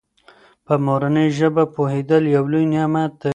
په مورنۍ ژبه پوهېدل یو لوی نعمت دی.